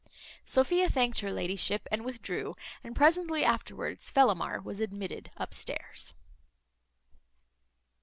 Sophia thanked her ladyship, and withdrew; and presently afterwards Fellamar was admitted upstairs.